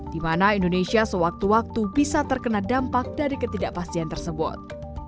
di mana indonesia sewaktu waktu bisa terkena dampak dari ketidakpastian tersebut